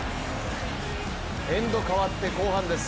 エンド変わって後半です。